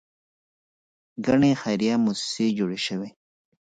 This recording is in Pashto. ګڼې خیریه موسسې جوړې شوې.